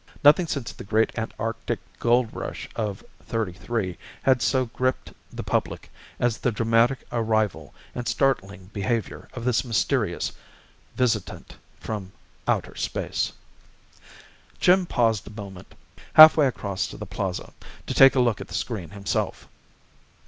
Nothing since the great Antarctic gold rush of '33 had so gripped the public as the dramatic arrival and startling behavior of this mysterious visitant from outer space. Jim paused a moment, halfway across the Plaza, to take a look at the screen himself.